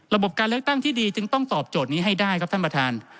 การเลือกตั้งที่ดีจึงต้องตอบโจทย์นี้ให้ได้ครับท่านประธาน